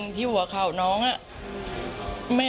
ดีกว่าจะได้ตัวคนร้าย